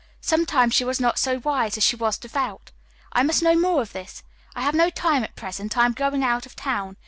"Sometimes she was not so wise as she was devout. I must know more of this. I have no time at present, I am going out of town.